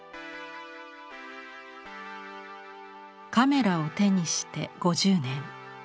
カメラを手にして５０年。